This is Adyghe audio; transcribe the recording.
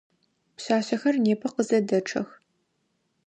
Пшъашъэхэр непэ къызэдэчъэх.